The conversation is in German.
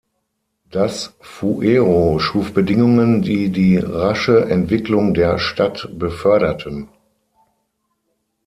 Das Fuero schuf Bedingungen, die die rasche Entwicklung der Stadt beförderten.